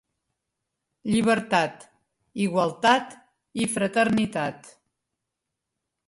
Llibertat, igualtat i fraternitat.